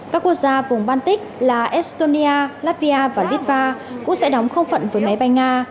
các quốc gia vùng baltic là estonia latvia và litva cũng sẽ đóng không phận với máy bay nga